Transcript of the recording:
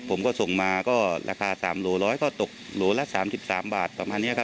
ผมก็ส่งมาก็ราคาสามโหลร้อยก็ตกโหลละสามสิบสามบาทประมาณเนี้ยครับ